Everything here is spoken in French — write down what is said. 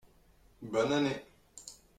bonne année.